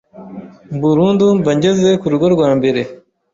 nburundu mba ngeze ku rugo rwa mbere,